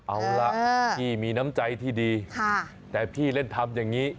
เอาล่ะพี่มีน้ำใจที่ดีแต่พี่เล่นทำอย่างนี้